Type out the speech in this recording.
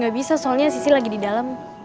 gak bisa soalnya sisi lagi di dalam